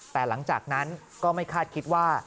แต่หลังจากนั้นก็ไม่คาดคิดว่า